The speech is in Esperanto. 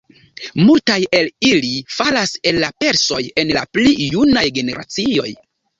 Multaj el ili falas al la persoj en la pli junaj generacioj.